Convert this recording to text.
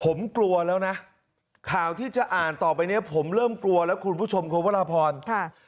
ผมกลัวแล้วนะข่าวที่จะอ่านต่อไปเนี้ยผมเริ่มกลัวแล้วคุณผู้ชมคุณพระราพรค่ะ